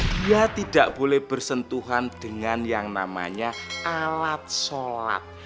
dia tidak boleh bersentuhan dengan yang namanya alat sholat